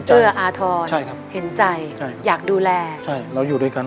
เอื้ออาทรใช่ครับเห็นใจใช่อยากดูแลใช่เราอยู่ด้วยกัน